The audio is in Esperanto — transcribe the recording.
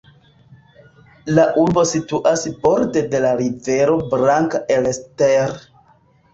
La urbo situas borde de la rivero Blanka Elster.